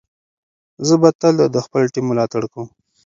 زه به تل د خپل ټیم ملاتړ کوم.